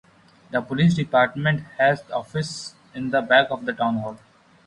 The police department has offices in the back of town hall.